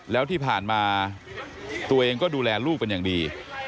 แล้วที่ผ่านมาตัวเองก็ดูแลลูกเป็นอย่างดี